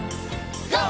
ＧＯ！